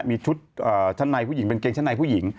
มีชุดชั้นในผู้หญิงเป็นเกงชั้นในผู้หญิง